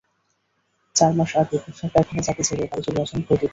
চার মাস আগে পোশাক কারখানার চাকরি ছেড়ে বাড়ি চলে আসেন প্রদীপ।